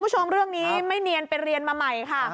คุณผู้ชมเรื่องนี้ไม่เนียนไปเรียนมาใหม่ค่ะ